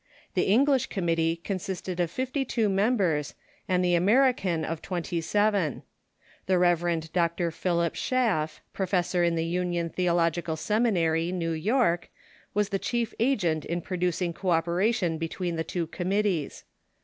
The English committee consisted of fifty two members, and the American of twenty seven. The Rev. Dr. Philip Schaff, professor in the Union Theological Seminary, New York, was the chief agent in producing co operation between the two committees.